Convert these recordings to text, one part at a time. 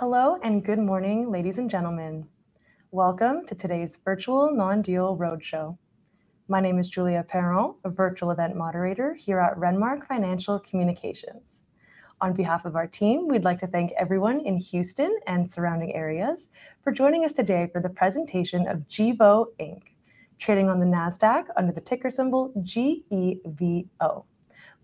Hello and good morning, ladies and gentlemen. Welcome to today's virtual non-deal roadshow. My name is Julia Perron, a virtual event moderator here at Renmark Financial Communications. On behalf of our team, we'd like to thank everyone in Houston and surrounding areas for joining us today for the presentation of Gevo Inc., trading on the NASDAQ under the ticker symbol GEVO.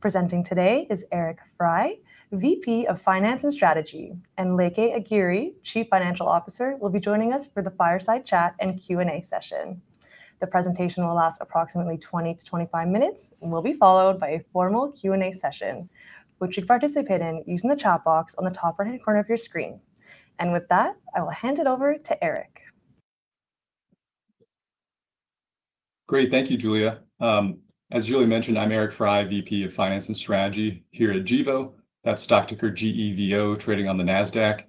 Presenting today is Eric Frey, Vice President of Finance and Strategy, and Leke Agiri, Chief Financial Officer, will be joining us for the fireside chat and Q&A session. The presentation will last approximately 20-25 minutes and will be followed by a formal Q&A session, which you can participate in using the chat box on the top right-hand corner of your screen. With that, I will hand it over to Eric. Great, thank you, Julia. As Julia mentioned, I'm Eric Frey, VP of Finance and Strategy here at Gevo. That's stock ticker GEVO, trading on the NASDAQ.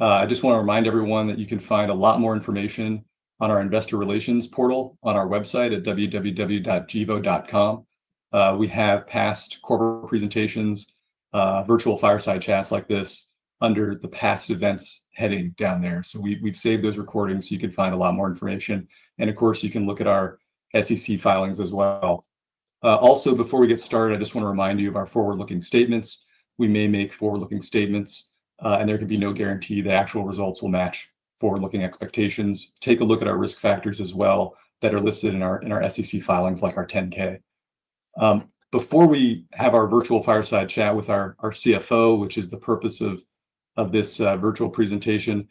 I just want to remind everyone that you can find a lot more information on our investor relations portal on our website at www.gevo.com. We have past corporate presentations, virtual fireside chats like this under the past events heading down there. We've saved those recordings so you can find a lot more information. Of course, you can look at our SEC filings as well. Also, before we get started, I just want to remind you of our forward-looking statements. We may make forward-looking statements, and there can be no guarantee that actual results will match forward-looking expectations. Take a look at our risk factors as well that are listed in our SEC filings, like our 10K. Before we have our virtual fireside chat with our CFO, which is the purpose of this virtual presentation,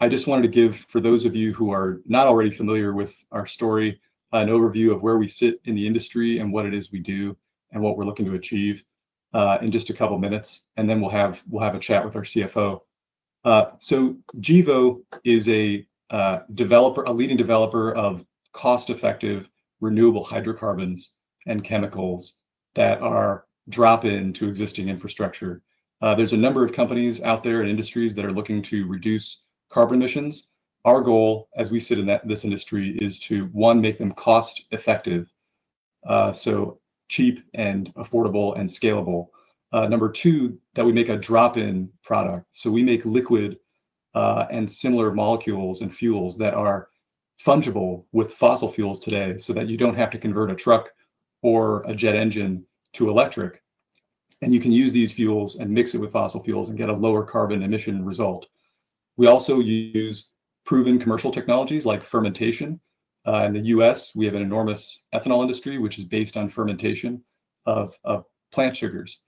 I just wanted to give, for those of you who are not already familiar with our story, an overview of where we sit in the industry and what it is we do and what we're looking to achieve in just a couple of minutes. Then we'll have a chat with our CFO. Gevo is a developer, a leading developer of cost-effective renewable hydrocarbons and chemicals that are drop-in to existing infrastructure. There are a number of companies out there and industries that are looking to reduce carbon emissions. Our goal, as we sit in this industry, is to, one, make them cost-effective, so cheap and affordable and scalable. Number two, that we make a drop-in product. We make liquid and similar molecules and fuels that are fungible with fossil fuels today so that you don't have to convert a truck or a jet engine to electric. You can use these fuels and mix it with fossil fuels and get a lower carbon emission result. We also use proven commercial technologies like fermentation. In the U.S., we have an enormous ethanol industry, which is based on fermentation of plant sugars.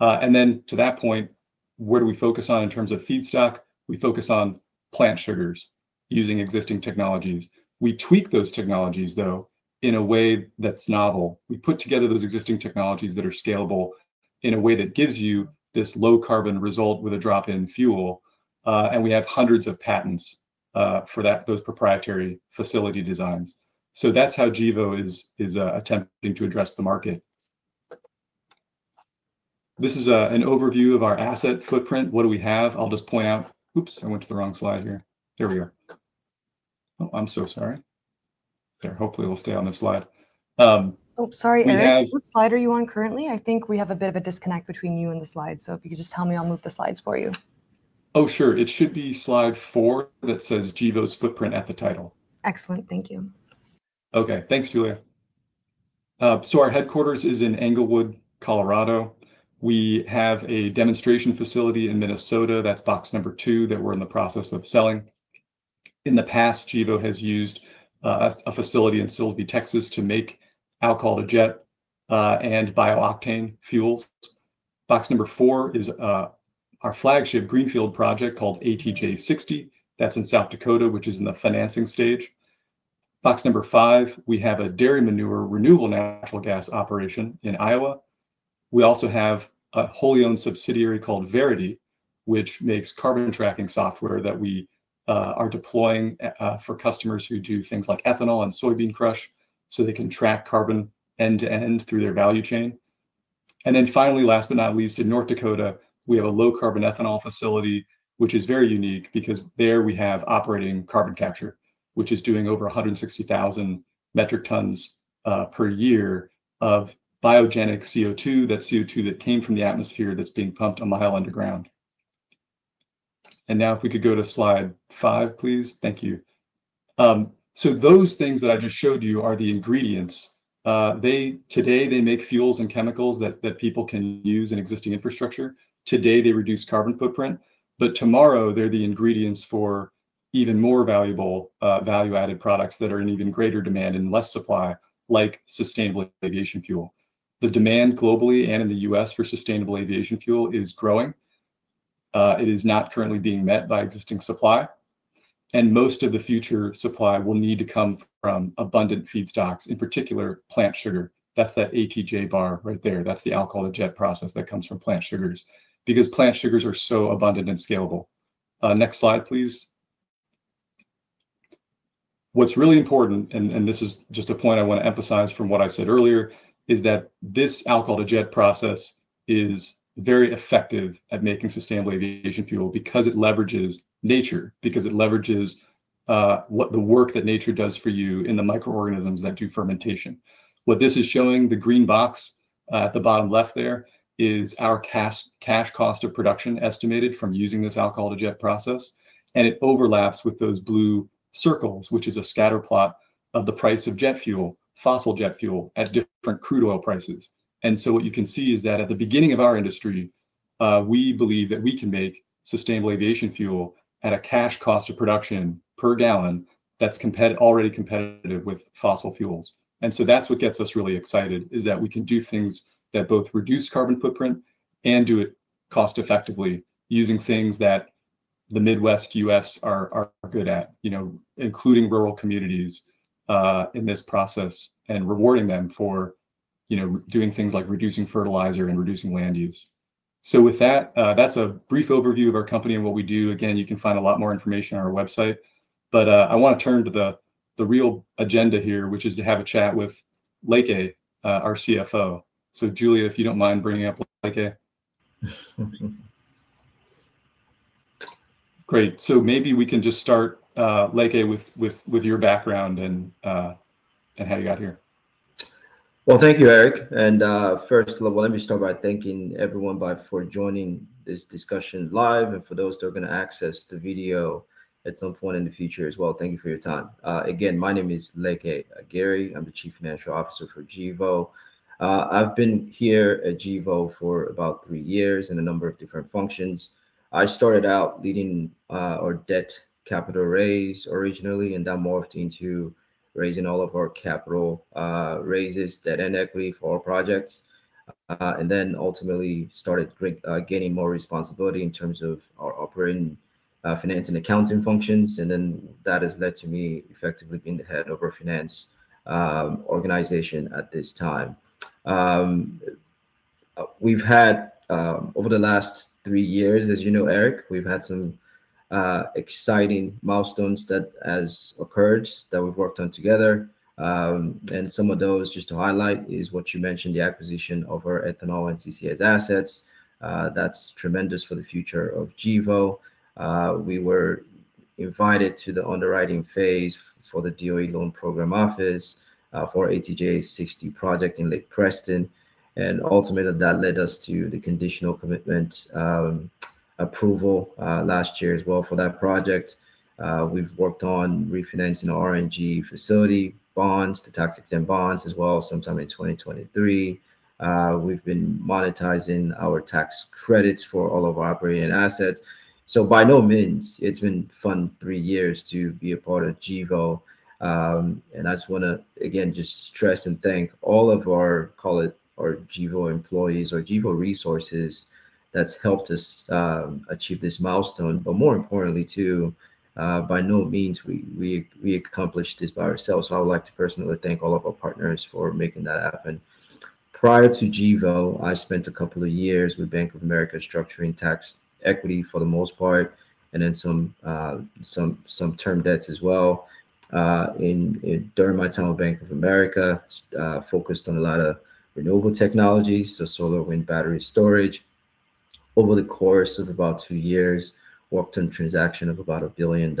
To that point, where do we focus on in terms of feedstock? We focus on plant sugars using existing technologies. We tweak those technologies, though, in a way that's novel. We put together those existing technologies that are scalable in a way that gives you this low carbon result with a drop-in fuel. We have hundreds of patents for those proprietary facility designs. That's how Gevo is attempting to address the market. This is an overview of our asset footprint. What do we have? I'll just point out—I went to the wrong slide here. There we are. I'm so sorry. There, hopefully it will stay on this slide. Oh, sorry, Eric. What slide are you on currently? I think we have a bit of a disconnect between you and the slides. If you could just tell me, I'll move the slides for you. Oh, sure. It should be slide four that says Gevo's footprint at the title. Excellent, thank you. OK, thanks, Julia. Our headquarters is in Englewood, Colorado. We have a demonstration facility in Minnesota. That's box number two that we're in the process of selling. In the past, Gevo has used a facility in Silsbee, Texas, to make alcohol-to-jet and biooctane fuels. Box number four is our flagship Greenfield project called ATJ-60. That's in South Dakota, which is in the financing stage. Box number five, we have a dairy manure renewable natural gas operation in Iowa. We also have a wholly owned subsidiary called Verity, which makes carbon tracking software that we are deploying for customers who do things like ethanol and soybean crush so they can track carbon end-to-end through their value chain. Finally, last but not least, in North Dakota, we have a low-carbon ethanol facility, which is very unique because there we have operating carbon capture, which is doing over 160,000 metric tons per year of biogenic CO2. That's CO2 that came from the atmosphere that's being pumped a mile underground. If we could go to slide five, please. Thank you. Those things that I just showed you are the ingredients. Today, they make fuels and chemicals that people can use in existing infrastructure. Today, they reduce carbon footprint. Tomorrow, they're the ingredients for even more valuable value-added products that are in even greater demand and less supply, like sustainable aviation fuel. The demand globally and in the U.S. for sustainable aviation fuel is growing. It is not currently being met by existing supply. Most of the future supply will need to come from abundant feedstocks, in particular plant sugar. That's that ATJ bar right there. That's the alcohol-to-jet process that comes from plant sugars because plant sugars are so abundant and scalable. Next slide, please. What's really important, and this is just a point I want to emphasize from what I said earlier, is that this alcohol-to-jet process is very effective at making sustainable aviation fuel because it leverages nature, because it leverages the work that nature does for you in the microorganisms that do fermentation. What this is showing, the green box at the bottom left there, is our cash cost of production estimated from using this alcohol-to-jet process. It overlaps with those blue circles, which is a scatter plot of the price of jet fuel, fossil jet fuel, at different crude oil prices. What you can see is that at the beginning of our industry, we believe that we can make sustainable aviation fuel at a cash cost of production per gallon that's already competitive with fossil fuels. That's what gets us really excited, that we can do things that both reduce carbon footprint and do it cost-effectively using things that the Midwest U.S. are good at, including rural communities in this process and rewarding them for doing things like reducing fertilizer and reducing land use. With that, that's a brief overview of our company and what we do. Again, you can find a lot more information on our website. I want to turn to the real agenda here, which is to have a chat with Leke, our Chief Financial Officer. Julia, if you don't mind bringing up Leke. Great. Maybe we can just start, Leke, with your background and how you got here. Thank you, Eric. First of all, let me start by thanking everyone for joining this discussion live and for those that are going to access the video at some point in the future as well. Thank you for your time. Again, my name is Leke Agiri. I'm the Chief Financial Officer for Gevo. I've been here at Gevo for about three years in a number of different functions. I started out leading our debt capital raise originally, and then morphed into raising all of our capital raises, debt and equity for our projects, and then ultimately started gaining more responsibility in terms of our operating finance and accounting functions. That has led to me effectively being the head of our finance organization at this time. We've had, over the last three years, as you know, Eric, some exciting milestones that have occurred that we've worked on together. Some of those, just to highlight, are what you mentioned, the acquisition of our ethanol and CCS assets. That's tremendous for the future of Gevo. We were invited to the underwriting phase for the U.S. Department of Energy Loan Programs Office for the ATJ-60 project in Lake Preston. Ultimately, that led us to the conditional commitment approval last year as well for that project. We've worked on refinancing our RNG facility bonds, the tax-exempt bonds, as well sometime in 2023. We've been monetizing our tax credits for all of our operating assets. By no means has it been a fun three years to be a part of Gevo. I just want to, again, stress and thank all of our, call it, our Gevo employees or Gevo resources that have helped us achieve this milestone. More importantly, too, by no means have we accomplished this by ourselves. I would like to personally thank all of our partners for making that happen. Prior to Gevo, I spent a couple of years with Bank of America structuring tax equity for the most part, and then some term debts as well. During my time with Bank of America, I focused on a lot of renewable technologies, so solar, wind, battery storage. Over the course of about two years, I worked on a transaction of about $1 billion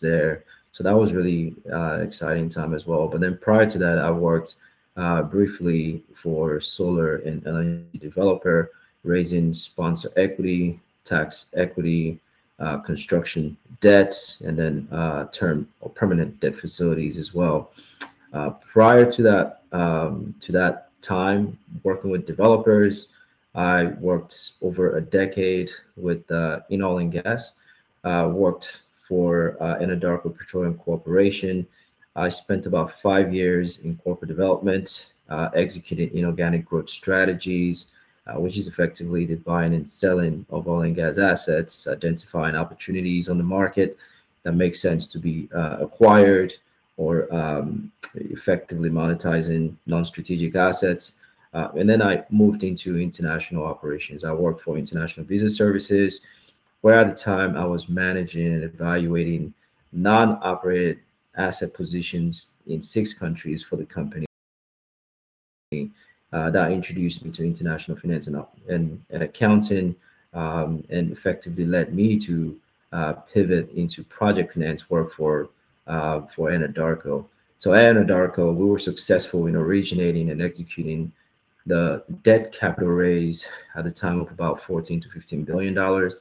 there. That was a really exciting time as well. Prior to that, I worked briefly for a solar and LNG developer, raising sponsor equity, tax equity, construction debts, and then permanent debt facilities as well. Prior to that time, working with developers, I worked over a decade with Enolgas. I worked for Anadarko Petroleum Corporation. I spent about five years in corporate development, executing inorganic growth strategies, which is effectively the buying and selling of oil and gas assets, identifying opportunities on the market that make sense to be acquired or effectively monetizing non-strategic assets. I moved into international operations. I worked for International Business Services, where at the time I was managing and evaluating non-operated asset positions in six countries for the company. That introduced me to international finance and accounting and effectively led me to pivot into project finance work for Anadarko. At Anadarko, we were successful in originating and executing the debt capital raise at the time of about $14 billion-$15 billion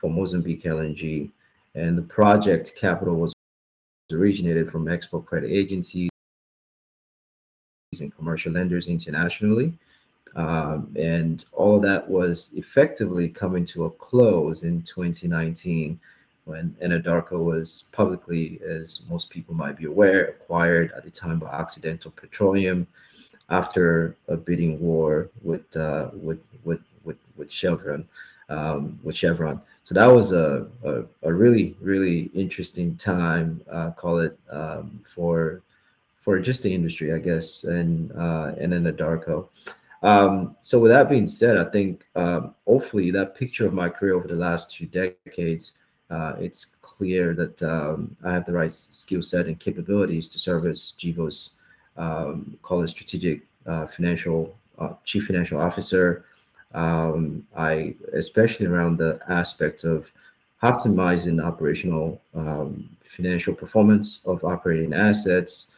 for Mozambique LNG. The project capital was originated from export credit agencies and commercial lenders internationally. All of that was effectively coming to a close in 2019 when Anadarko was publicly, as most people might be aware, acquired at the time by Occidental Petroleum after a bidding war with Chevron. That was a really, really interesting time for just the industry, I guess, and Anadarko. With that being said, I think hopefully that picture of my career over the last two decades, it's clear that I have the right skill set and capabilities to service Gevo's, call it, strategic financial Chief Financial Officer, especially around the aspects of optimizing the operational financial performance of operating assets,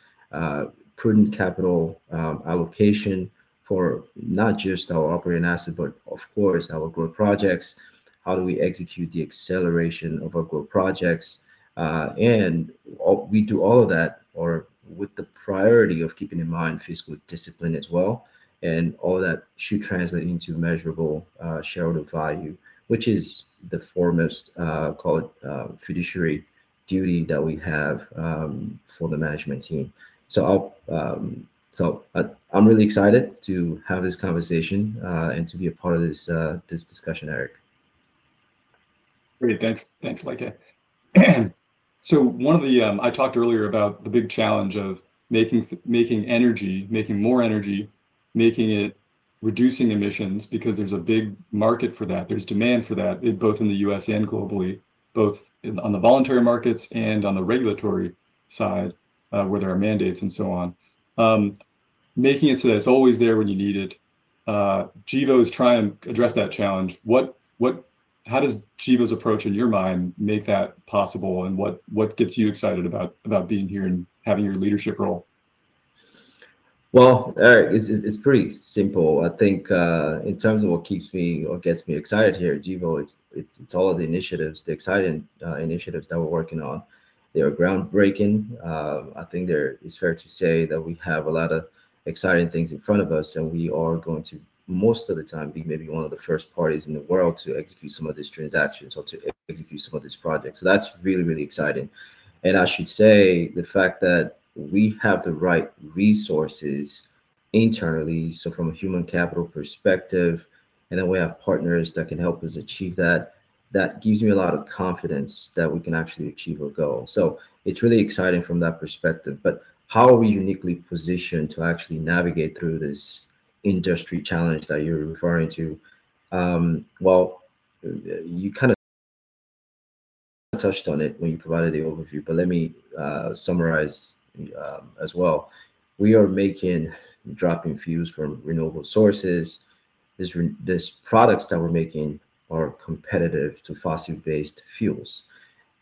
prudent capital allocation for not just our operating assets, but of course, our growth projects. How do we execute the acceleration of our growth projects? We do all of that with the priority of keeping in mind fiscal discipline as well. All that should translate into measurable shareholder value, which is the foremost, call it, fiduciary duty that we have for the management team. I'm really excited to have this conversation and to be a part of this discussion, Eric. Great, thanks, Leke. I talked earlier about the big challenge of making energy, making more energy, making it reducing emissions because there's a big market for that. There's demand for that, both in the U.S. and globally, both on the voluntary markets and on the regulatory side where there are mandates and so on. Making it so that it's always there when you need it, Gevo is trying to address that challenge. How does Gevo's approach, in your mind, make that possible? What gets you excited about being here and having your leadership role? Eric, it's pretty simple. I think in terms of what keeps me or gets me excited here at Gevo, it's all of the initiatives, the exciting initiatives that we're working on. They are groundbreaking. I think it's fair to say that we have a lot of exciting things in front of us. We are going to, most of the time, be maybe one of the first parties in the world to execute some of these transactions or to execute some of these projects. That's really, really exciting. I should say the fact that we have the right resources internally, so from a human capital perspective, and then we have partners that can help us achieve that, that gives me a lot of confidence that we can actually achieve our goal. It's really exciting from that perspective. How are we uniquely positioned to actually navigate through this industry challenge that you're referring to? You kind of touched on it when you provided the overview. Let me summarize as well. We are making drop-in fuels from renewable sources. These products that we're making are competitive to fossil-based fuels.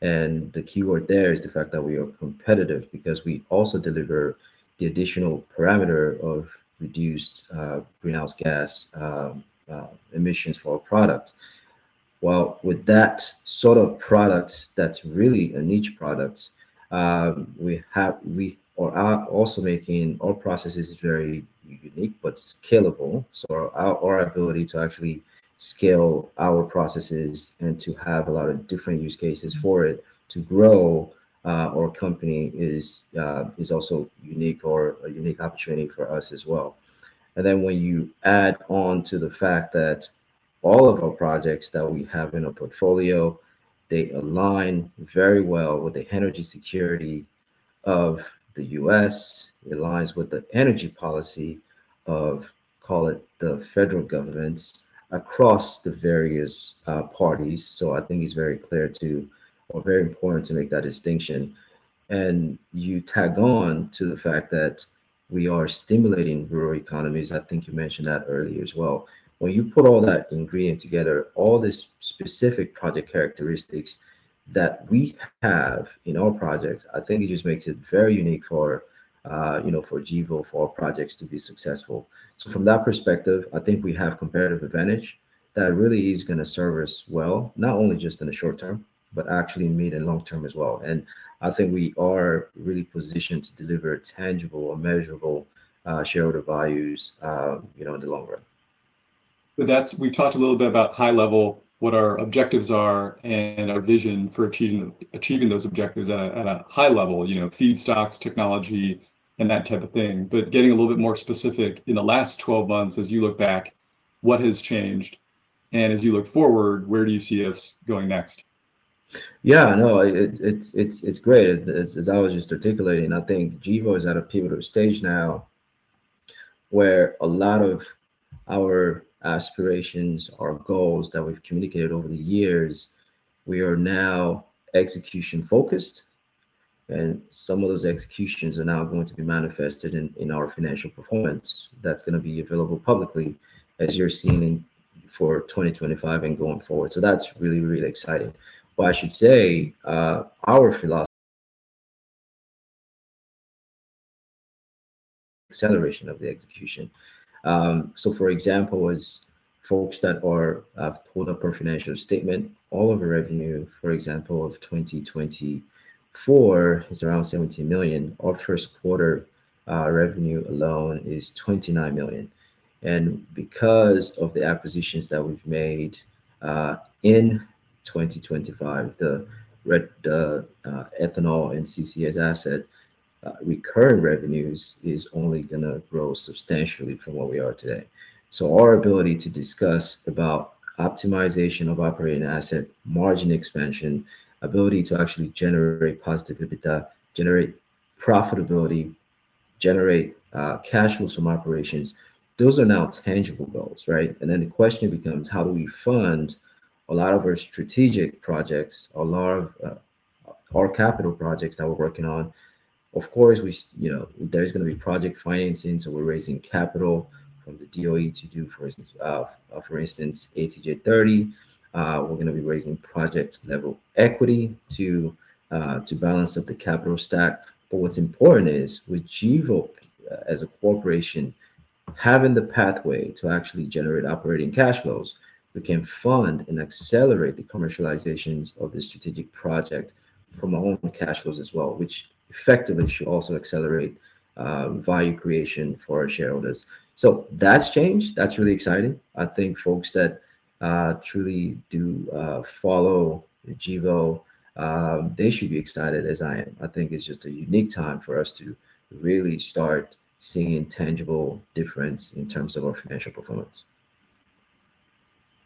The keyword there is the fact that we are competitive because we also deliver the additional parameter of reduced greenhouse gas emissions for our products. With that sort of product, that's really a niche product, we are also making our processes very unique but scalable. Our ability to actually scale our processes and to have a lot of different use cases for it to grow our company is also a unique opportunity for us as well. When you add on to the fact that all of our projects that we have in our portfolio, they align very well with the energy security of the U.S. It aligns with the energy policy of, call it, the federal governments across the various parties. I think it's very clear too, or very important to make that distinction. You tag on to the fact that we are stimulating rural economies. I think you mentioned that earlier as well. When you put all that ingredient together, all these specific project characteristics that we have in our projects, I think it just makes it very unique for Gevo, for our projects to be successful. From that perspective, I think we have a competitive advantage that really is going to serve us well, not only just in the short term, but actually in the medium and long term as well. I think we are really positioned to deliver tangible or measurable shareholder values in the long run. We talked a little bit about high level, what our objectives are, and our vision for achieving those objectives at a high level, feedstocks, technology, and that type of thing. Getting a little bit more specific, in the last 12 months, as you look back, what has changed? As you look forward, where do you see us going next? Yeah, no, it's great. As I was just articulating, I think Gevo is at a pivotal stage now where a lot of our aspirations or goals that we've communicated over the years, we are now execution-focused. Some of those executions are now going to be manifested in our financial performance that's going to be available publicly, as you're seeing for 2025 and going forward. That's really, really exciting. I should say our philosophy is acceleration of the execution. For example, as folks that have pulled up our financial statement, all of our revenue, for example, of 2024 is around $17 million. Our first quarter revenue alone is $29 million. Because of the acquisitions that we've made in 2025, the ethanol and CCS asset recurring revenues are only going to grow substantially from where we are today. Our ability to discuss about optimization of operating asset margin expansion, ability to actually generate positive EBITDA, generate profitability, generate cash flows from operations, those are now tangible goals, right? The question becomes, how do we fund a lot of our strategic projects, a lot of our capital projects that we're working on? Of course, there is going to be project financing. We're raising capital from the U.S. Department of Energy Loan Programs Office to do, for instance, ATJ-30. We're going to be raising project-level equity to balance up the capital stack. What's important is with Gevo, as a corporation, having the pathway to actually generate operating cash flows, we can fund and accelerate the commercializations of the strategic project from our own cash flows as well, which effectively should also accelerate value creation for our shareholders. That's changed. That's really exciting. I think folks that truly do follow Gevo, they should be excited, as I am. I think it's just a unique time for us to really start seeing a tangible difference in terms of our financial performance.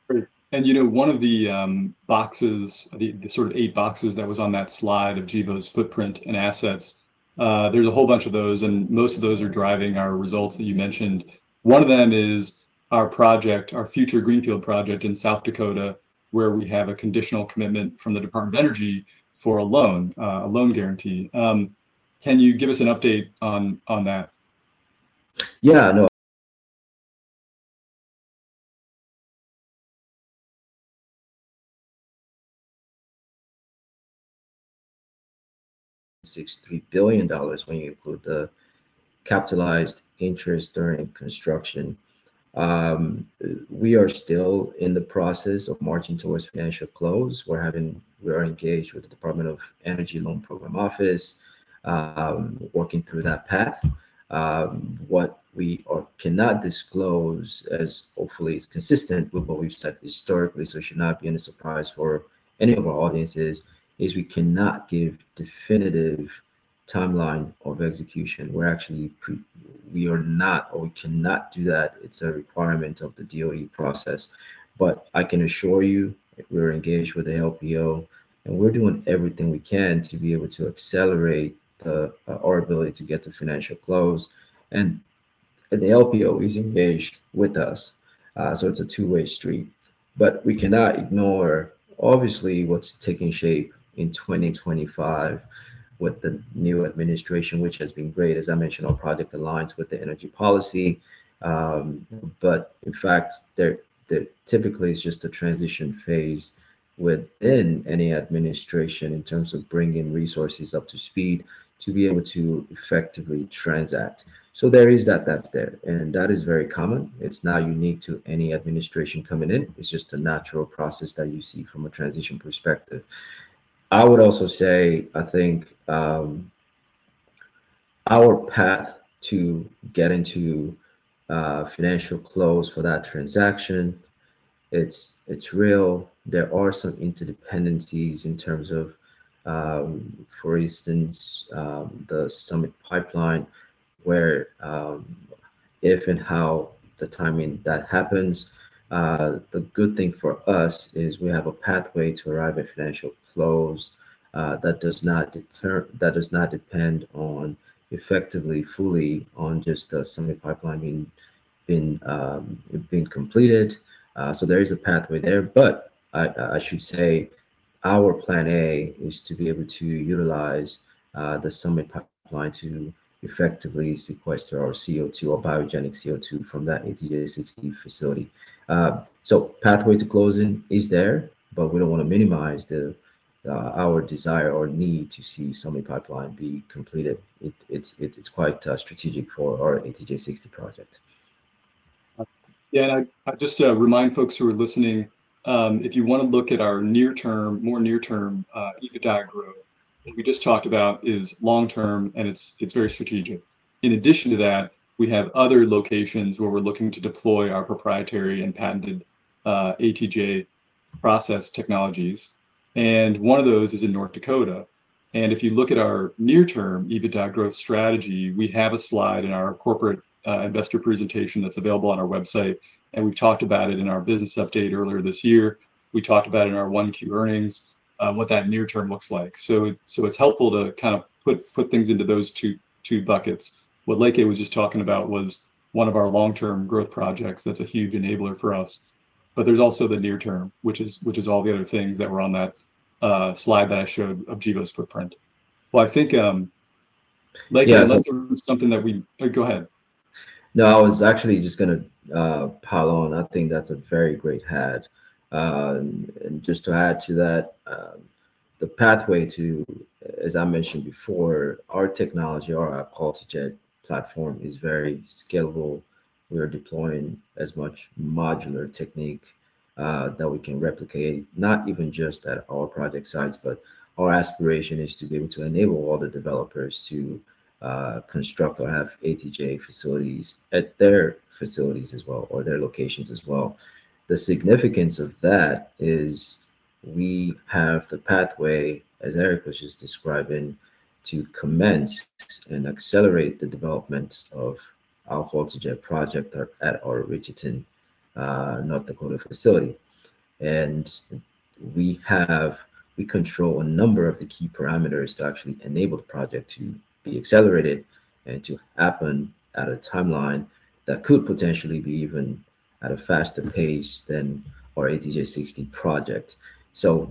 Great. You know one of the boxes, the sort of eight boxes that was on that slide of Gevo's footprint and assets, there's a whole bunch of those. Most of those are driving our results that you mentioned. One of them is our project, our future Greenfield project in South Dakota, where we have a conditional commitment from the U.S. Department of Energy for a loan, a loan guarantee. Can you give us an update on that? Yeah. $3.6 billion when you include the capitalized interest during construction. We are still in the process of marching towards financial close. We are engaged with the U.S. Department of Energy Loan Programs Office, working through that path. What we cannot disclose, as hopefully it's consistent with what we've said historically, so it should not be any surprise for any of our audiences, is we cannot give a definitive timeline of execution. We are not, or we cannot do that. It's a requirement of the DOE process. I can assure you, we're engaged with the LPO, and we're doing everything we can to be able to accelerate our ability to get to financial close. The LPO is engaged with us. It's a two-way street. We cannot ignore, obviously, what's taking shape in 2025 with the new administration, which has been great. As I mentioned, our project aligns with the energy policy. In fact, there typically is just a transition phase within any administration in terms of bringing resources up to speed to be able to effectively transact. There is that that's there, and that is very common. It's not unique to any administration coming in. It's just a natural process that you see from a transition perspective. I would also say, I think our path to get into financial close for that transaction, it's real. There are some interdependencies in terms of, for instance, the Summit pipeline, where if and how the timing that happens. The good thing for us is we have a pathway to arrive at financial close that does not depend effectively, fully on just the Summit pipeline being completed. There is a pathway there. I should say our plan A is to be able to utilize the Summit pipeline to effectively sequester our CO2, our biogenic CO2, from that ATJ-60 facility. Pathway to closing is there, but we don't want to minimize our desire or need to see the Summit pipeline be completed. It's quite strategic for our ATJ60 project. Yeah, and I just remind folks who are listening, if you want to look at our near-term, more near-term EBITDA growth, what we just talked about is long term, and it's very strategic. In addition to that, we have other locations where we're looking to deploy our proprietary and patented ATJ process technologies. One of those is in North Dakota. If you look at our near-term EBITDA growth strategy, we have a slide in our corporate investor presentation that's available on our website. We've talked about it in our business update earlier this year. We talked about it in our one-Q earnings, what that near-term looks like. It's helpful to kind of put things into those two buckets. What Leke was just talking about was one of our long-term growth projects that's a huge enabler for us. There's also the near-term, which is all the other things that were on that slide that I showed of Gevo's footprint. I think, Leke, unless there was something that we—go ahead. No, I was actually just going to pile on. I think that's a very great hat. Just to add to that, the pathway to, as I mentioned before, our technology, our alcohol-to-jet platform is very scalable. We are deploying as much modular technique that we can replicate, not even just at our project sites, but our aspiration is to be able to enable all the developers to construct or have ATJ facilities at their facilities as well or their locations as well. The significance of that is we have the pathway, as Eric was just describing, to commence and accelerate the development of alcohol-to-jet project at our Richardson, North Dakota facility. We control a number of the key parameters to actually enable the project to be accelerated and to happen at a timeline that could potentially be even at a faster pace than our ATJ-60 project.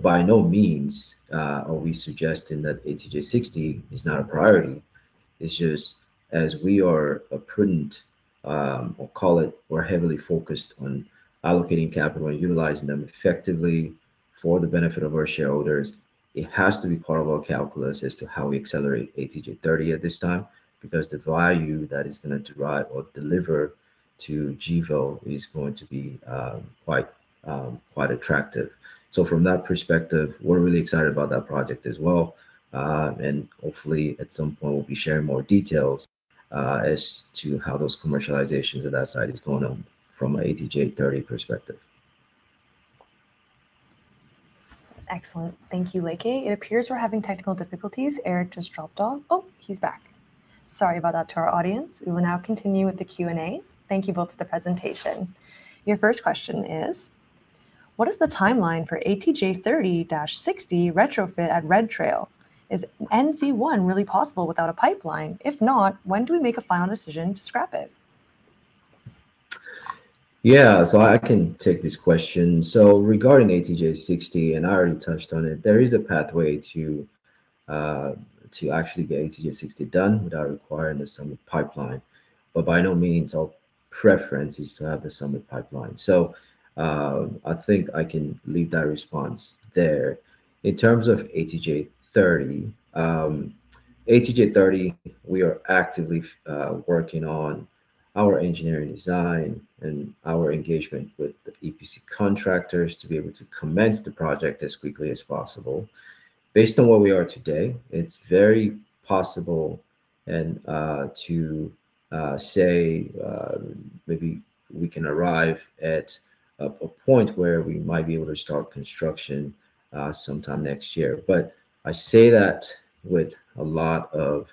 By no means are we suggesting that ATJ-60 is not a priority. It's just as we are a prudent, or call it, we're heavily focused on allocating capital and utilizing them effectively for the benefit of our shareholders, it has to be part of our calculus as to how we accelerate ATJ-30 at this time because the value that is going to derive or deliver to Gevo is going to be quite attractive. From that perspective, we're really excited about that project as well. Hopefully, at some point, we'll be sharing more details as to how those commercializations of that site are going on from an ATJ-30 perspective. Excellent. Thank you, Leke. It appears we're having technical difficulties. Eric just dropped off. Oh, he's back. Sorry about that to our audience. We will now continue with the Q&A. Thank you both for the presentation. Your first question is, what is the timeline for ATJ30-60 retrofit at Red Trail? Is NZ1 really possible without a pipeline? If not, when do we make a final decision to scrap it? Yeah, so I can take this question. Regarding ATJ-60, and I already touched on it, there is a pathway to actually get ATJ-60 done without requiring the Summit pipeline. By no means, our preference is to have the Summit pipeline. I think I can leave that response there. In terms of ATJ-30, we are actively working on our engineering design and our engagement with the EPC contractors to be able to commence the project as quickly as possible. Based on where we are today, it's very possible to say maybe we can arrive at a point where we might be able to start construction sometime next year. I say that with a lot of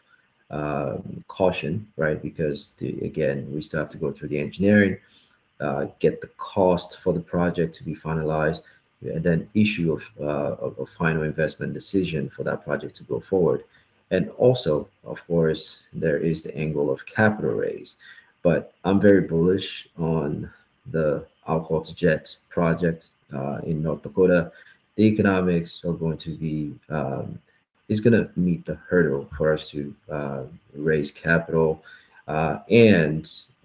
caution, right? Because, again, we still have to go through the engineering, get the cost for the project to be finalized, and then issue a final investment decision for that project to go forward. There is also the angle of capital raise. I'm very bullish on the alcohol-to-jet project in North Dakota. The economics are going to be, it's going to meet the hurdle for us to raise capital.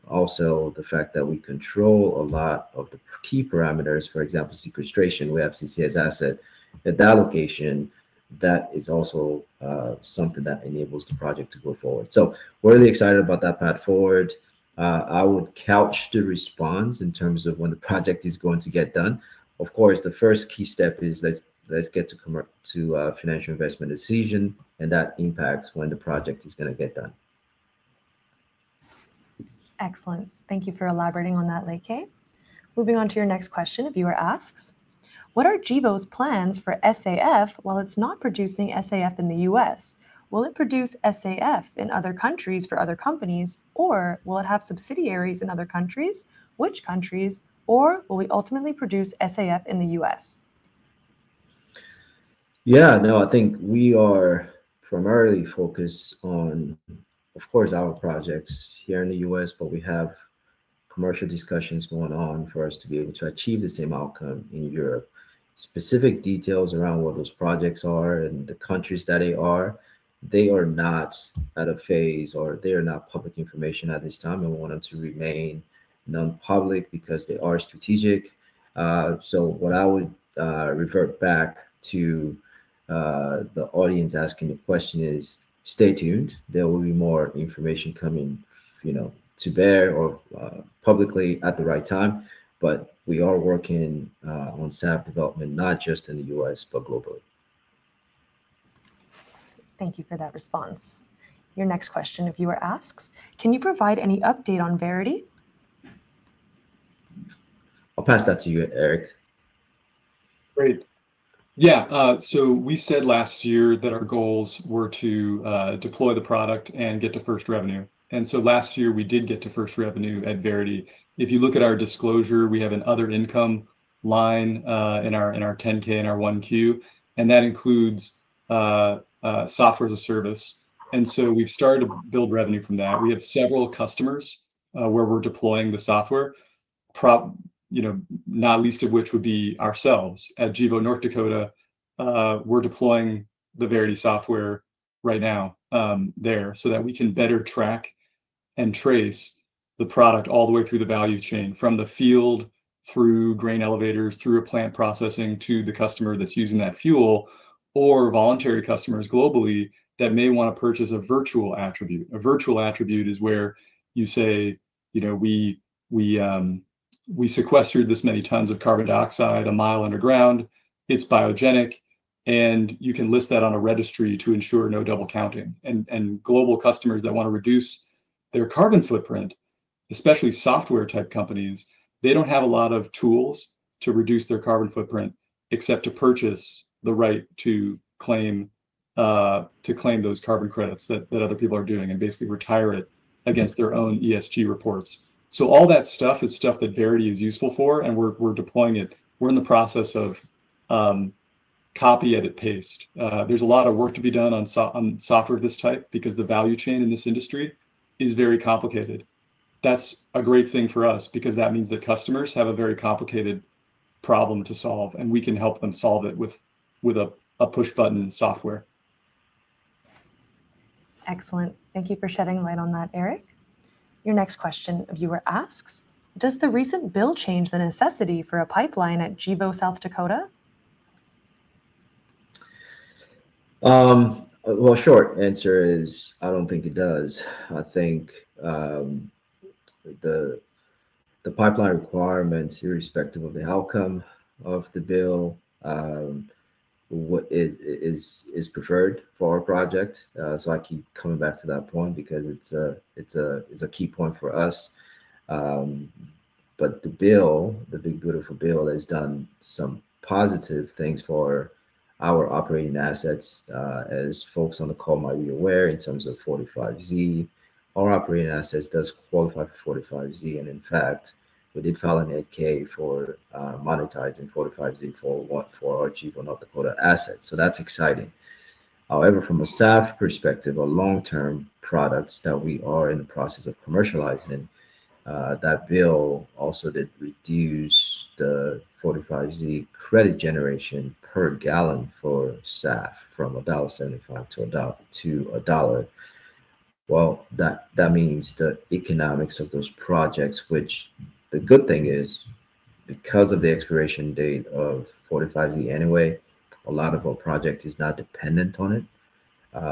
Also, the fact that we control a lot of the key parameters, for example, sequestration. We have CCS assets at that location. That is also something that enables the project to go forward. We're really excited about that path forward. I would couch the response in terms of when the project is going to get done. The first key step is let's get to a financial investment decision. That impacts when the project is going to get done. Excellent. Thank you for elaborating on that, Leke. Moving on to your next question, viewer asks, what are Gevo's plans for SAF while it's not producing SAF in the U.S.? Will it produce SAF in other countries for other companies, or will it have subsidiaries in other countries? Which countries, or will we ultimately produce SAF in the U.S.? I think we are primarily focused on, of course, our projects here in the U.S., but we have commercial discussions going on for us to be able to achieve the same outcome in Europe. Specific details around what those projects are and the countries that they are, they are not at a phase or they are not public information at this time. We want them to remain non-public because they are strategic. What I would revert back to the audience asking the question is, stay tuned. There will be more information coming to bear or publicly at the right time. We are working on SAF development, not just in the U.S., but globally. Thank you for that response. Your next question, viewer asks, can you provide any update on Verity? I'll pass that to you, Eric. Great. Yeah, so we said last year that our goals were to deploy the product and get to first revenue. Last year, we did get to first revenue at Verity. If you look at our disclosure, we have an other income line in our 10-K and our 1Q. That includes software as a service. We've started to build revenue from that. We have several customers where we're deploying the software, not least of which would be ourselves. At Gevo, North Dakota, we're deploying the Verity software right now there so that we can better track and trace the product all the way through the value chain, from the field through grain elevators, through a plant processing to the customer that's using that fuel or voluntary customers globally that may want to purchase a virtual attribute. A virtual attribute is where you say, you know, we sequestered this many tons of carbon dioxide a mile underground. It's biogenic. You can list that on a registry to ensure no double counting. Global customers that want to reduce their carbon footprint, especially software-type companies, don't have a lot of tools to reduce their carbon footprint except to purchase the right to claim those carbon credits that other people are doing and basically retire it against their own ESG reports. All that stuff is stuff that Verity is useful for. We're deploying it. We're in the process of copy-edit-paste. There's a lot of work to be done on software of this type because the value chain in this industry is very complicated. That's a great thing for us because that means that customers have a very complicated problem to solve. We can help them solve it with a push button software. Excellent. Thank you for shedding light on that, Eric. Your next question, viewer asks, does the recent bill change the necessity for a pipeline at Gevo, South Dakota? I don't think it does. I think the pipeline requirements, irrespective of the outcome of the bill, are preferred for our project. I keep coming back to that point because it's a key point for us. The bill, the big beautiful bill, has done some positive things for our operating assets. As folks on the call might be aware, in terms of 45Z, our operating assets do qualify for 45Z. In fact, we did file an 8-K for monetizing 45Z for our Gevo, North Dakota assets. That's exciting. However, from a SAF perspective, our long-term products that we are in the process of commercializing, that bill also did reduce the 45Z credit generation per gal for SAF from $1.75 to $1. That means the economics of those projects, which the good thing is because of the expiration date of 45Z anyway, a lot of our project is not dependent on it.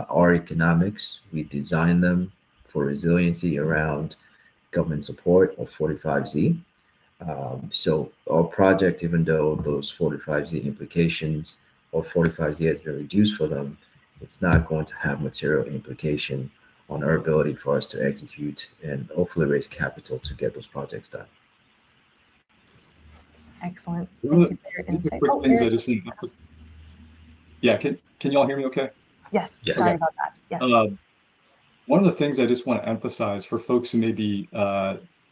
Our economics, we designed them for resiliency around government support of 45Z. Our project, even though those 45Z implications or 45Z has been reduced for them, is not going to have material implication on our ability for us to execute and hopefully raise capital to get those projects done. Excellent. Thank you for your insight. One of the things I just wanted to mention, can you all hear me OK? Yes, sorry about that. Yes. One of the things I just want to emphasize for folks who may be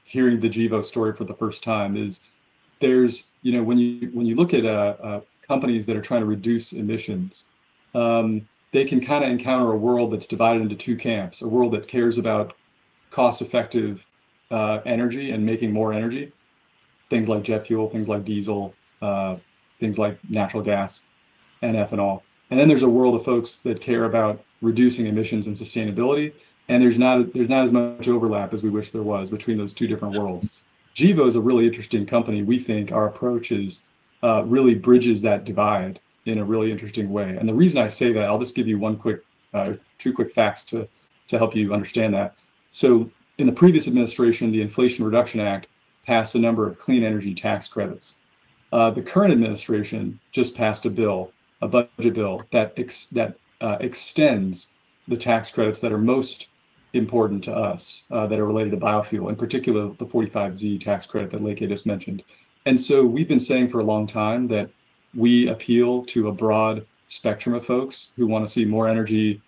hearing the Gevo story for the first time is, you know, when you look at companies that are trying to reduce emissions, they can kind of encounter a world that's divided into two camps, a world that cares about cost-effective energy and making more energy, things like jet fuel, things like diesel, things like natural gas and ethanol. Then there's a world of folks that care about reducing emissions and sustainability. There's not as much overlap as we wish there was between those two different worlds. Gevo is a really interesting company. We think our approach really bridges that divide in a really interesting way. The reason I say that, I'll just give you two quick facts to help you understand that. In the previous administration, the Inflation Reduction Act passed a number of clean energy tax credits. The current administration just passed a bill, a budget bill that extends the tax credits that are most important to us that are related to biofuel, in particular the 45Z tax credit that Leke just mentioned. We've been saying for a long time that we appeal to a broad spectrum of folks who want to see more energy,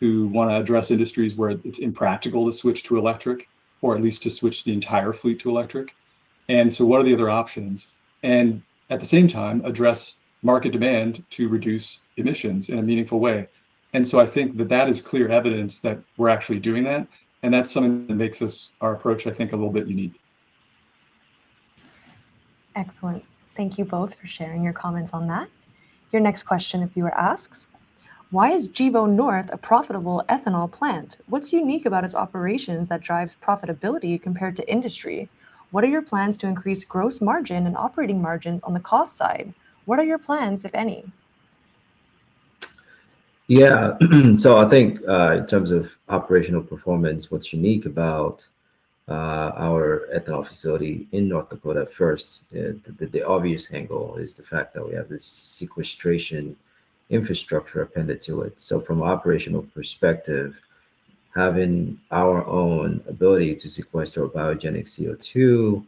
who want to address industries where it's impractical to switch to electric or at least to switch the entire fleet to electric. What are the other options? At the same time, address market demand to reduce emissions in a meaningful way. I think that that is clear evidence that we're actually doing that. That's something that makes our approach, I think, a little bit unique. Excellent. Thank you both for sharing your comments on that. Your next question, viewer asks, why is Gevo North a profitable ethanol plant? What's unique about its operations that drives profitability compared to industry? What are your plans to increase gross margin and operating margins on the cost side? What are your plans, if any? Yeah, so I think in terms of operational performance, what's unique about our ethanol facility in North Dakota, first, the obvious angle is the fact that we have this sequestration infrastructure appended to it. From an operational perspective, having our own ability to sequester biogenic CO2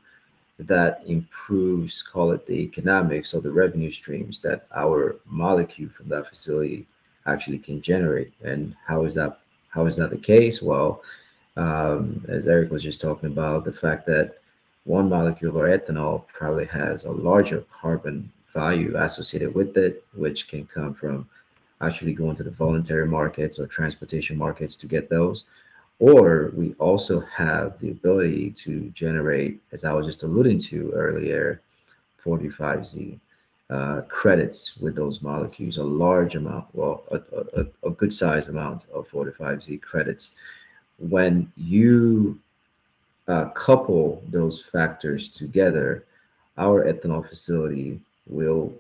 improves, call it, the economics or the revenue streams that our molecule from that facility actually can generate. How is that the case? As Eric was just talking about, the fact that one molecule of our ethanol probably has a larger carbon value associated with it, which can come from actually going to the voluntary markets or transportation markets to get those. We also have the ability to generate, as I was just alluding to earlier, 45Z credits with those molecules, a large amount, well, a good-sized amount of 45Z credits. When you couple those factors together, our ethanol facility will,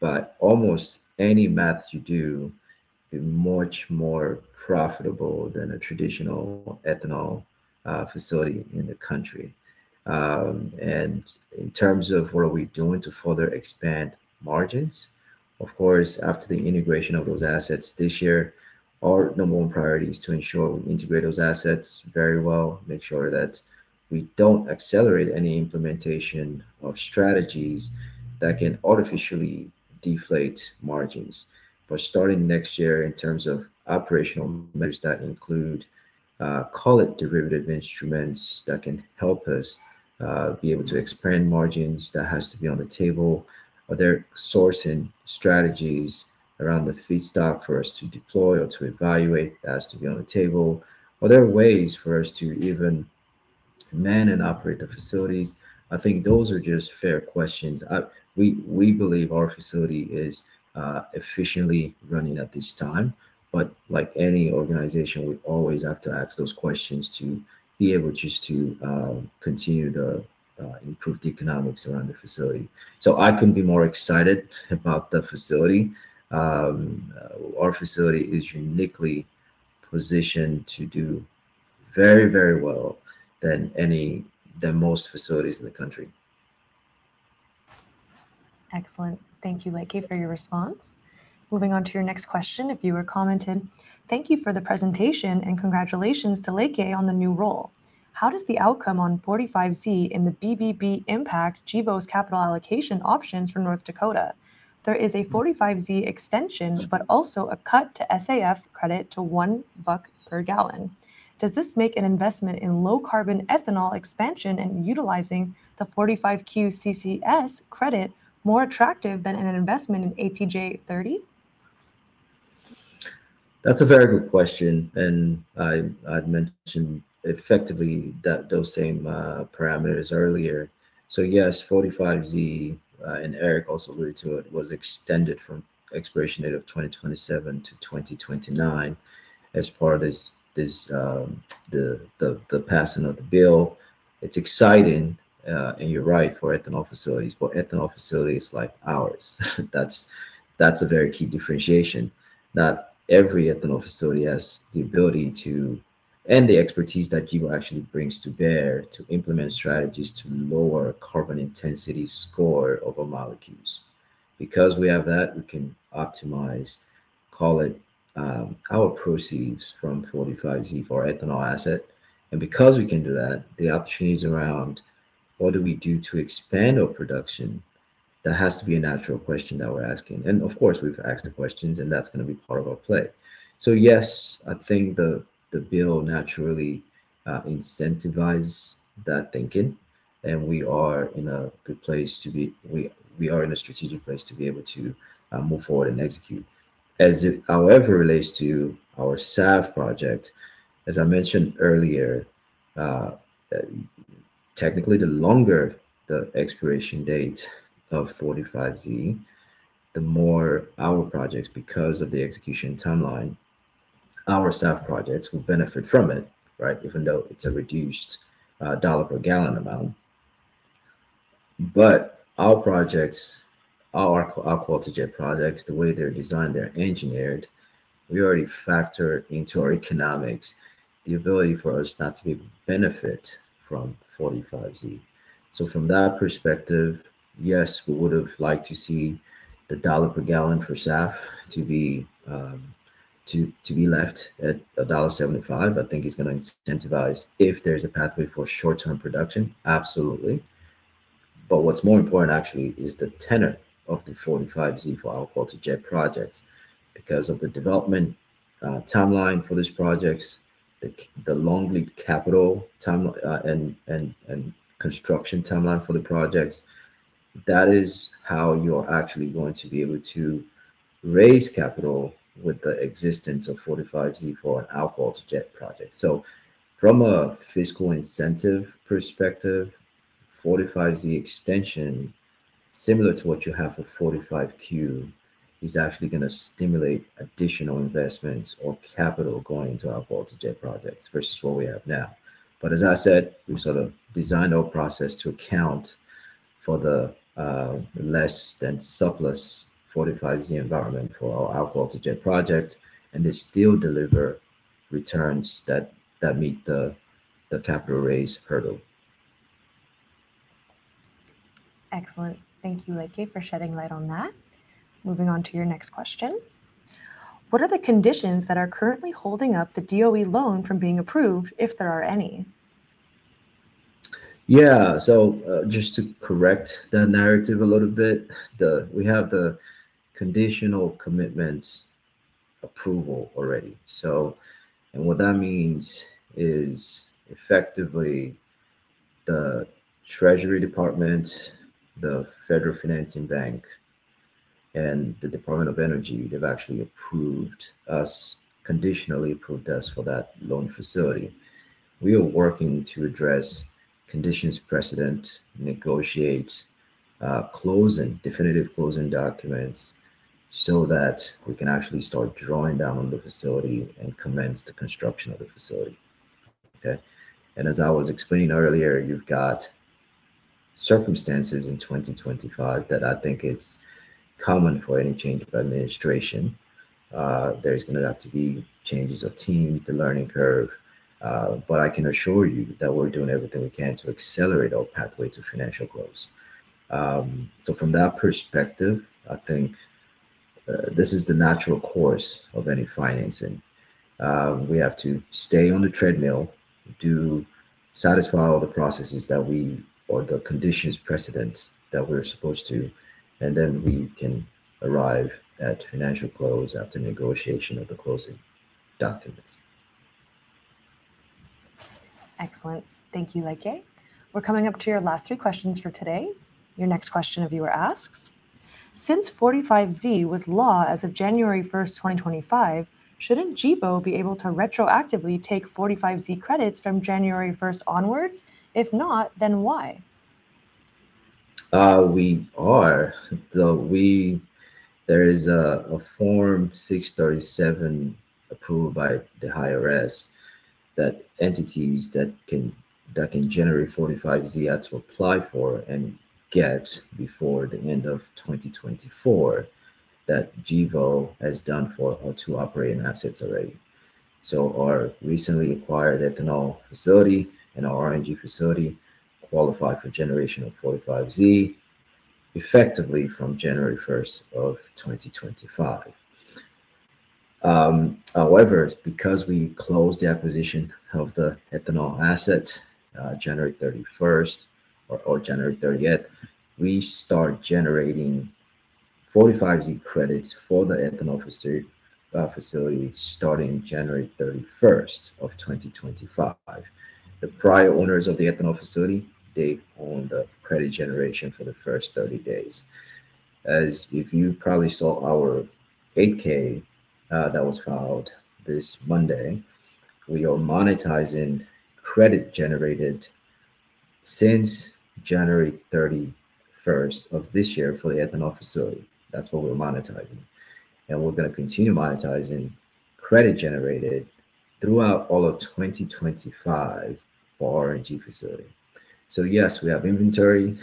by almost any math you do, be much more profitable than a traditional ethanol facility in the country. In terms of what are we doing to further expand margins, of course, after the integration of those assets this year, our number one priority is to ensure we integrate those assets very well, make sure that we don't accelerate any implementation of strategies that can artificially deflate margins. Starting next year, in terms of operational measures that include, call it, derivative instruments that can help us be able to expand margins, that has to be on the table. Are there sourcing strategies around the feedstock for us to deploy or to evaluate? That has to be on the table. Are there ways for us to even man and operate the facilities? I think those are just fair questions. We believe our facility is efficiently running at this time. Like any organization, we always have to ask those questions to be able just to continue to improve the economics around the facility. I couldn't be more excited about the facility. Our facility is uniquely positioned to do very, very well than most facilities in the country. Excellent. Thank you, Leke, for your response. Moving on to your next question, viewer commented, thank you for the presentation and congratulations to Leke on the new role. How does the outcome on 45Z in the BBB impact Gevo's capital allocation options for North Dakota? There is a 45Z extension, but also a cut to SAF credit to $1 per gal. Does this make an investment in low-carbon ethanol expansion and utilizing the 45Q CCS credit more attractive than an investment in ATJ-30? That's a very good question. I'd mentioned effectively those same parameters earlier. Yes, 45Z, and Eric also alluded to it, was extended from expiration date of 2027 to 2029 as part of the passing of the bill. It's exciting, and you're right, for ethanol facilities. Ethanol facilities like ours, that's a very key differentiation that every ethanol facility has the ability to and the expertise that Gevo actually brings to bear to implement strategies to lower carbon intensity score of our molecules. Because we have that, we can optimize, call it, our proceeds from 45Z for our ethanol asset. Because we can do that, the opportunities around what do we do to expand our production, that has to be a natural question that we're asking. Of course, we've asked the questions, and that's going to be part of our play. Yes, I think the bill naturally incentivizes that thinking. We are in a good place to be, we are in a strategic place to be able to move forward and execute. As it however relates to our sustainable aviation fuel project, as I mentioned earlier, technically, the longer the expiration date of 45Z, the more our projects, because of the execution timeline, our sustainable aviation fuel projects will benefit from it, right, even though it's a reduced dollar per gallon amount. Our projects, our alcohol-to-jet projects, the way they're designed, they're engineered, we already factor into our economics the ability for us not to be a benefit from 45Z. From that perspective, yes, we would have liked to see the dollar per gallon for sustainable aviation fuel to be left at $1.75. I think it's going to incentivize if there's a pathway for short-term production, absolutely. What's more important, actually, is the tenor of the 45Z for alcohol-to-jet projects. Because of the development timeline for these projects, the long lead capital and construction timeline for the projects, that is how you are actually going to be able to raise capital with the existence of 45Z for an alcohol-to-jet project. From a fiscal incentive perspective, 45Z extension, similar to what you have for 45Q, is actually going to stimulate additional investments or capital going into alcohol-to-jet projects versus what we have now. As I said, we sort of designed our process to account for the less-than-surplus 45Z environment for our alcohol-to-jet project, and they still deliver returns that meet the capital raise hurdle. Excellent. Thank you, Leke, for shedding light on that. Moving on to your next question. What are the conditions that are currently holding up the U.S. Department of Energy Loan Programs Office loan from being approved, if there are any? Yeah, just to correct the narrative a little bit, we have the conditional commitment approval already. What that means is, effectively, the Treasury Department, the Federal Financing Bank, and the U.S. Department of Energy, they've actually approved us, conditionally approved us for that loan facility. We are working to address conditions precedent, negotiate closing, definitive closing documents so that we can actually start drawing down on the facility and commence the construction of the facility. As I was explaining earlier, you've got circumstances in 2025 that I think it's common for any change of administration. There are going to have to be changes of team, the learning curve. I can assure you that we're doing everything we can to accelerate our pathway to financial growth. From that perspective, I think this is the natural course of any financing. We have to stay on the treadmill, satisfy all the processes that we or the conditions precedent that we're supposed to, and then we can arrive at financial close after negotiation of the closing documents. Excellent. Thank you, Leke. We're coming up to your last three questions for today. Your next question, viewer asks, since 45Z was law as of January 1, 2025, shouldn't Gevo be able to retroactively take 45Z credits from January 1 onwards? If not, then why? We are. There is a Form 637 approved by the IRS that entities that can generate 45Z have to apply for and get before the end of 2024 that Gevo has done for or to operating assets already. Our recently acquired ethanol facility and our RNG facility qualify for generation of 45Z effectively from January 1, 2025. However, because we closed the acquisition of the ethanol asset January 31 or January 30, we start generating 45Z credits for the ethanol facility starting January 31, 2025. The prior owners of the ethanol facility, they own the credit generation for the first 30 days. As you probably saw our 8-K that was filed this Monday, we are monetizing credit generated since January 31 of this year for the ethanol facility. That's what we're monetizing. We are going to continue monetizing credit generated throughout all of 2025 for RNG facility. Yes, we have inventory,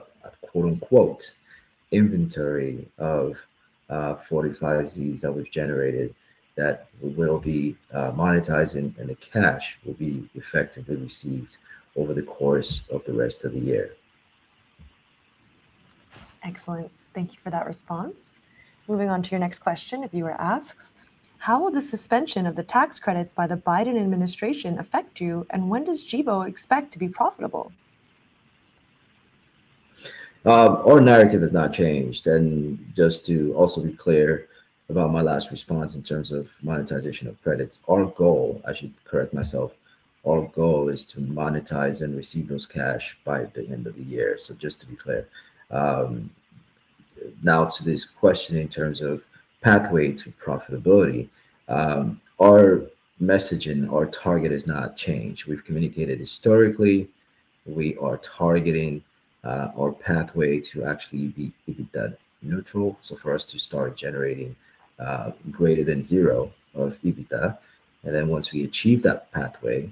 quote unquote, inventory of 45Zs that was generated that we will be monetizing, and the cash will be effectively received over the course of the rest of the year. Excellent. Thank you for that response. Moving on to your next question, viewer asks, how will the suspension of the tax credits by the Biden administration affect you? When does Gevo expect to be profitable? Our narrative has not changed. Just to also be clear about my last response in terms of monetization of credits, our goal, I should correct myself, our goal is to monetize and receive those cash by the end of the year. Just to be clear, now to this question in terms of pathway to profitability, our messaging, our target has not changed. We've communicated historically. We are targeting our pathway to actually be EBITDA neutral, for us to start generating greater than zero of EBITDA. Once we achieve that pathway,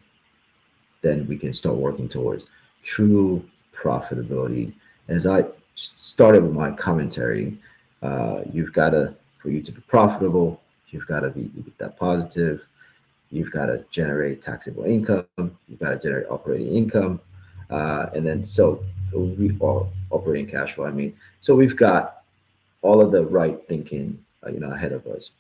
we can start working towards true profitability. As I started with my commentary, for you to be profitable, you've got to be EBITDA positive. You've got to generate taxable income. You've got to generate operating income. We are operating cash flow, I mean. We've got all of the right thinking ahead of us.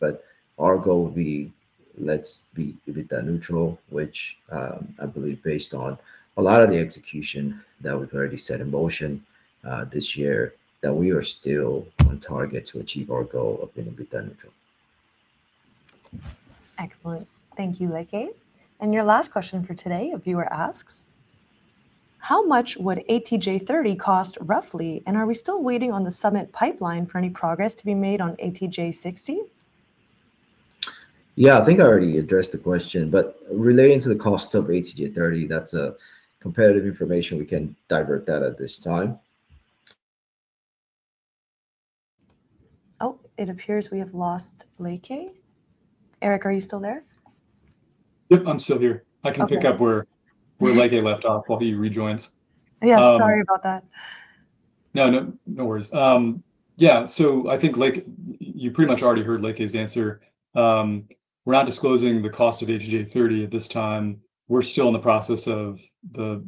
Our goal would be let's be EBITDA neutral, which I believe, based on a lot of the execution that we've already set in motion this year, that we are still on target to achieve our goal of being EBITDA neutral. Excellent. Thank you, Leke. Your last question for today, viewer asks, how much would ATJ-30 cost roughly? Are we still waiting on the Summit pipeline for any progress to be made on ATJ-60? Yeah, I think I already addressed the question. Relating to the cost of ATJ-30, that's competitive information. We can't divert that at this time. Oh, it appears we have lost Leke. Eric, are you still there? Yep, I'm still here. I can pick up where Leke left off while he rejoins. Yeah, sorry about that. No worries. Yeah, I think you pretty much already heard Leke's answer. We're not disclosing the cost of ATJ-30 at this time. We're still in the process of the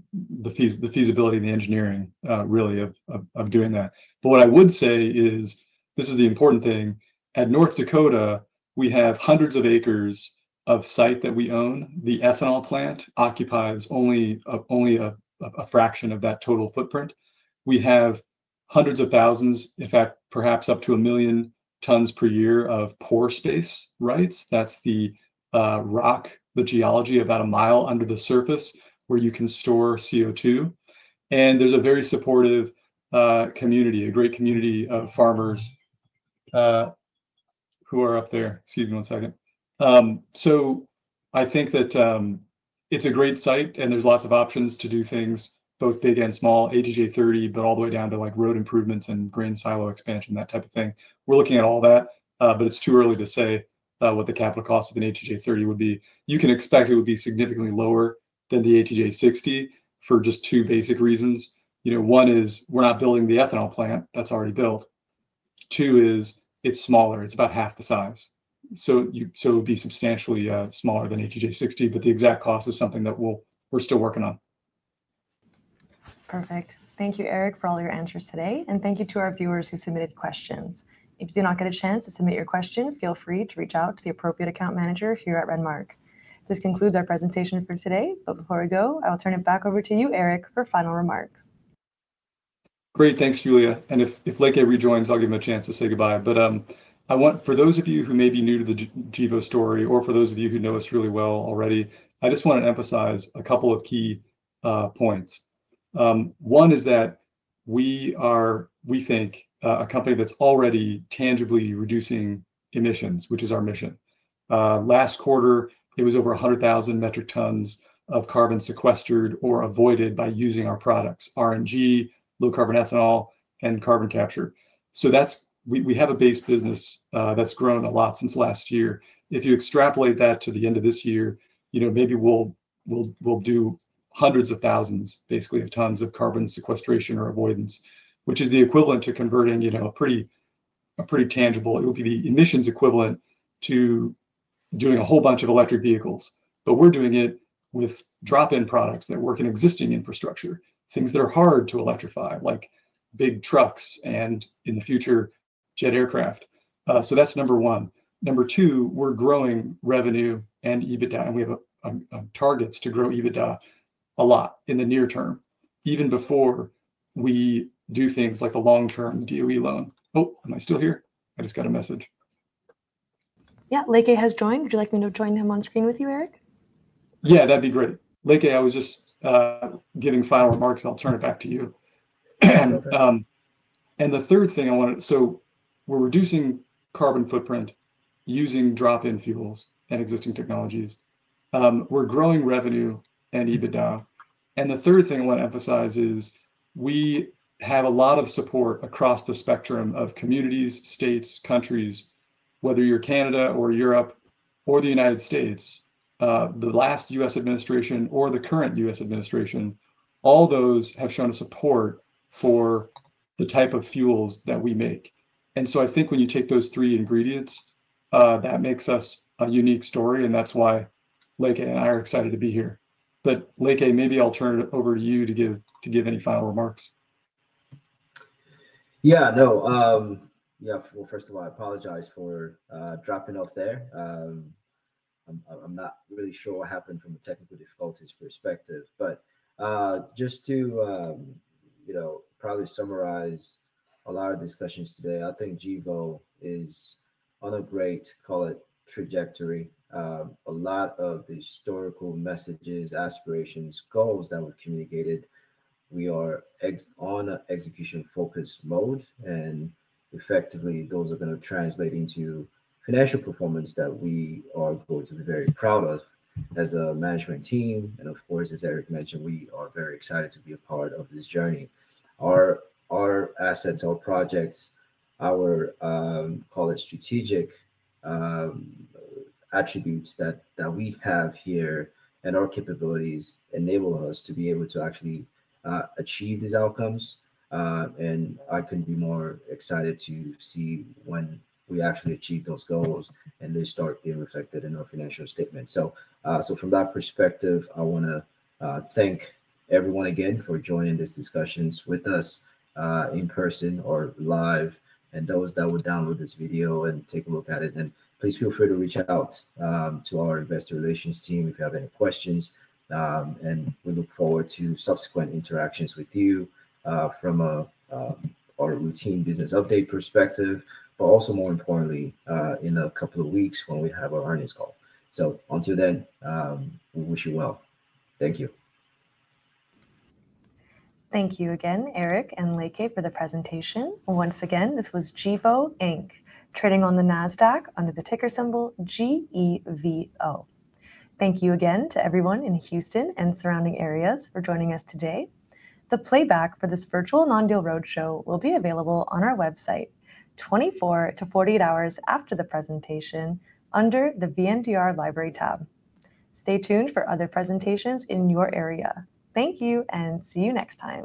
feasibility and the engineering, really, of doing that. What I would say is, this is the important thing. At North Dakota, we have hundreds of acres of site that we own. The ethanol plant occupies only a fraction of that total footprint. We have hundreds of thousands, in fact, perhaps up to a million tons per year of pore space, right? That's the rock, the geology about a mile under the surface where you can store CO2. There's a very supportive community, a great community of farmers who are up there. Excuse me one second. I think that it's a great site, and there's lots of options to do things, both big and small, ATJ-30, but all the way down to road improvements and grain silo expansion, that type of thing. We're looking at all that, but it's too early to say what the capital cost of an ATJ-30 would be. You can expect it would be significantly lower than the ATJ-60 for just two basic reasons. One is we're not building the ethanol plant, that's already built. Two is it's smaller. It's about 1/2 the size. It would be substantially smaller than ATJ-60, but the exact cost is something that we're still working on. Perfect. Thank you, Eric, for all your answers today. Thank you to our viewers who submitted questions. If you did not get a chance to submit your question, feel free to reach out to the appropriate account manager here at Renmark. This concludes our presentation for today. Before we go, I'll turn it back over to you, Eric, for final remarks. Great, thanks, Julia. If Leke rejoins, I'll give him a chance to say goodbye. For those of you who may be new to the Gevo story or for those of you who know us really well already, I just want to emphasize a couple of key points. One is that we think a company that's already tangibly reducing emissions, which is our mission. Last quarter, it was over 100,000 metric tons of carbon sequestered or avoided by using our products, RNG, low-carbon ethanol, and carbon capture. We have a base business that's grown a lot since last year. If you extrapolate that to the end of this year, maybe we'll do hundreds of thousands, basically, of tons of carbon sequestration or avoidance, which is the equivalent to converting a pretty tangible, it would be the emissions equivalent to doing a whole bunch of electric vehicles. We're doing it with drop-in products that work in existing infrastructure, things that are hard to electrify, like big trucks and, in the future, jet aircraft. That's number one. Number two, we're growing revenue and EBITDA. We have targets to grow EBITDA a lot in the near term, even before we do things like the long-term DOE loan. Oh, am I still here? I just got a message. Yeah, Leke Agiri has joined. Would you like me to join him on screen with you, Eric? Yeah, that'd be great. Leke, I was just giving final remarks, and I'll turn it back to you. The third thing I want to, so we're reducing carbon footprint using drop-in fuels and existing technologies. We're growing revenue and EBITDA. The third thing I want to emphasize is we have a lot of support across the spectrum of communities, states, countries, whether you're Canada or Europe or the United States, the last U.S. administration or the current U.S. administration, all those have shown support for the type of fuels that we make. I think when you take those three ingredients, that makes us a unique story. That's why Leke and I are excited to be here. Leke, maybe I'll turn it over to you to give any final remarks. First of all, I apologize for dropping off there. I'm not really sure what happened from a technical difficulties perspective. Just to probably summarize a lot of discussions today, I think Gevo is on a great trajectory. A lot of the historical messages, aspirations, goals that were communicated, we are on an execution-focused mode. Effectively, those are going to translate into financial performance that we are going to be very proud of as a management team. Of course, as Eric mentioned, we are very excited to be a part of this journey. Our assets, our projects, our strategic attributes that we have here and our capabilities enable us to be able to actually achieve these outcomes. I couldn't be more excited to see when we actually achieve those goals and they start being reflected in our financial statements. From that perspective, I want to thank everyone again for joining these discussions with us in person or live. Those that would download this video and take a look at it, please feel free to reach out to our investor relations team if you have any questions. We look forward to subsequent interactions with you from our routine business update perspective, but also more importantly, in a couple of weeks when we have our earnings call. Until then, we wish you well. Thank you. Thank you again, Eric and Leke, for the presentation. Once again, this was Gevo Inc., trading on the NASDAQ under the ticker symbol GEVO. Thank you again to everyone in Houston and surrounding areas for joining us today. The playback for this virtual non-deal roadshow will be available on our website 24-48 hours after the presentation under the VNDR Library tab. Stay tuned for other presentations in your area. Thank you and see you next time.